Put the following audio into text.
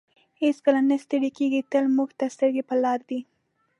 هېڅکله نه ستړی کیږي تل موږ ته سترګې په لار دی.